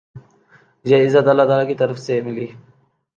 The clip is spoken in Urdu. یہ عزت اللہ تعالی کی طرف سے ملی۔